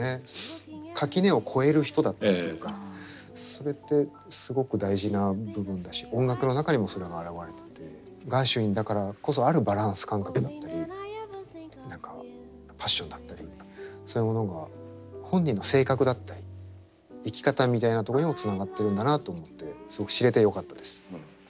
それってすごく大事な部分だし音楽の中にもそれは表れててガーシュウィンだからこそあるバランス感覚だったり何かパッションだったりそういうものが本人の性格だったり生き方みたいなところにもつながってるんだなと思ってすごく知れてよかったです。